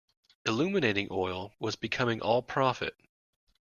Illuminating oil was becoming all profit.